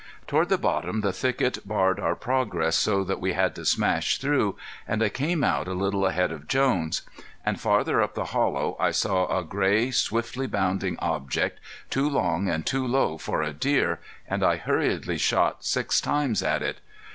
Toward the bottom the thicket barred our progress so that we had to smash through and I came out a little ahead of Jones. And farther up the hollow I saw a gray swiftly bounding object too long and too low for a deer, and I hurriedly shot six times at it.